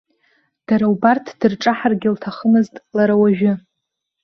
Дара убарҭ дырҿаҳаргьы лҭахымызт лара уажәы.